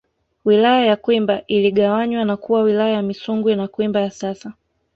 Wilaya ya Kwimba iligawanywa na kuwa Wilaya ya Misungwi na Kwimba ya sasa